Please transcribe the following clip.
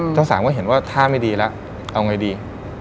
เจ้าสาวก็เห็นว่าท่าไม่ดีแล้วเอาไงดี